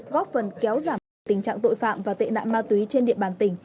góp phần kéo giảm được tình trạng tội phạm và tệ nạn ma túy trên địa bàn tỉnh